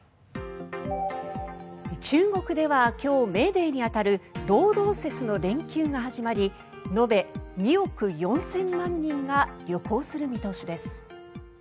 中国では今日、メーデーに当たる労働節の連休が始まり延べ２億４０００万人が旅行する見通しです。